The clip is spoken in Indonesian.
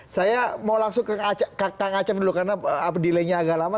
saya mau langsung ke kang acep dulu karena delay nya agak lama